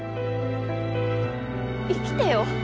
生きてよ